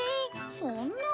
そんなあ。